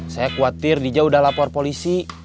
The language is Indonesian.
saya khawatir dia udah lapor polisi